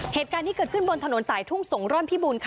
เหตุการณ์นี้เกิดขึ้นบนถนนสายทุ่งสงร่อนพิบูลค่ะ